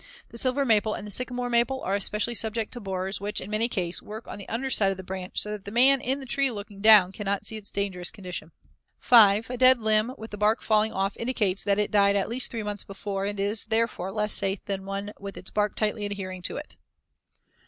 The silver maple and sycamore maple are especially subject to borers which, in many cases, work on the under side of the branch so that the man in the tree looking down cannot see its dangerous condition. 5. A dead limb with the bark falling off indicates that it died at least three months before and is, therefore, less safe than one with its bark tightly adhering to it.